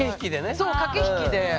そう駆け引きで。